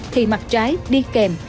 thì mặt trái đi kèm